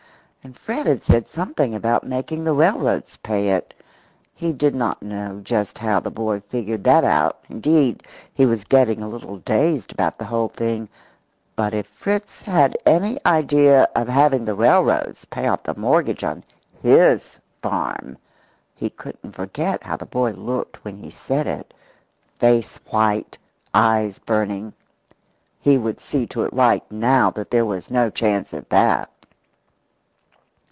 And Fred had said something about making the railroads pay it. He did not know just how the boy figured that out indeed, he was getting a little dazed about the whole thing but if Fritz had any idea of having the railroads pay off the mortgage on his farm he couldn't forget how the boy looked when he said it, face white, eyes burning he would see to it right now that there was no chance of that.